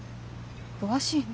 詳しいね。